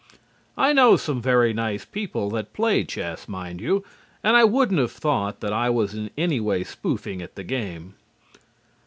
I know some very nice people that play chess, mind you, and I wouldn't have thought that I was in any way spoofing at the game.